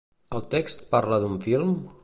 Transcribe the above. El text parla d'un film?